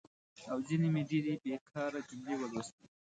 او ځینې مې ډېرې بېکاره جملې ولوستي.